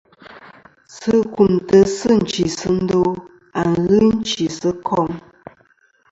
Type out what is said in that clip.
Sɨ kumtɨ sɨ nchisɨndo a ghɨ chɨ'sɨ kom.